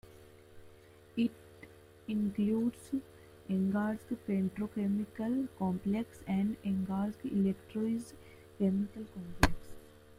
It includes Angarsk Petrochemical Complex and Angarsk Electrolysis Chemical Complex.